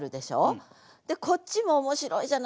でこっちも面白いじゃないですか。